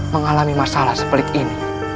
mengalami masalah sepelik ini